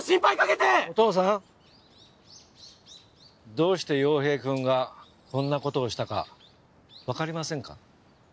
どうして陽平くんがこんなことをしたかわかりませんか？